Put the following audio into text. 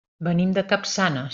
Venim de Capçanes.